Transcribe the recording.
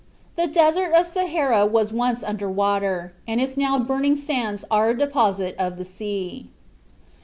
The Desert of Sahara was once under water, and its now burning sands are a deposit of the sea.